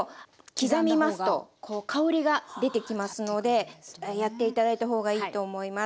刻みますとこう香りが出てきますのでやって頂いた方がいいと思います。